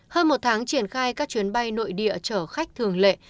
hơn một tháng triển khai các chuyến bay nội địa chở khách thường lệ